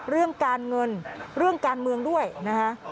เรื่องการเงินเรื่องการเมืองด้วยนะคะ